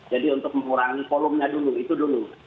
jadi untuk mengurangi kolumnya dulu itu dulu